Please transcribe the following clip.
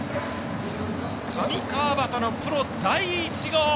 上川畑のプロ第１号。